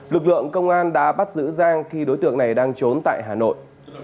lực lượng công an đã bắt giữ giang khi đối tượng này đang trốn tại hà nội